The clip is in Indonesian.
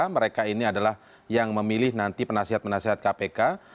mereka ini adalah yang memilih nanti penasihat penasihat kpk